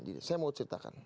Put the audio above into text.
saya mau ceritakan